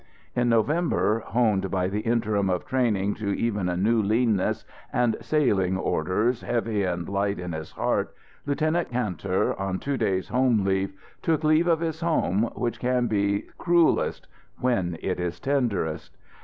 In November, honed by the interim of training to even a new leanness, and sailing orders heavy and light in his heart, Lieutenant Kantor, on two day's home leave, took leave of his home, which can be cruelest when it is tenderest.